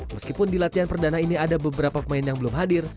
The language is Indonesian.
meskipun di latihan perdana ini ada beberapa pemain yang belum hadir